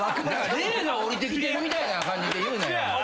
霊がおりてきてるみたいな感じで言うなよ。